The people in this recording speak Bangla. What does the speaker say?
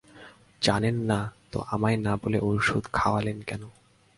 জানেন না তো আমায় না বলে ওষুধ খাওয়ালেন কেন?